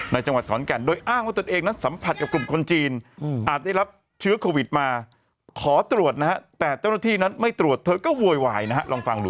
จังหวัดขอนแก่นโดยอ้างว่าตนเองนั้นสัมผัสกับกลุ่มคนจีนอาจได้รับเชื้อโควิดมาขอตรวจนะฮะแต่เจ้าหน้าที่นั้นไม่ตรวจเธอก็โวยวายนะฮะลองฟังดู